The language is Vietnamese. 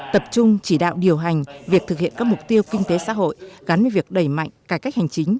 tập trung chỉ đạo điều hành việc thực hiện các mục tiêu kinh tế xã hội gắn với việc đẩy mạnh cải cách hành chính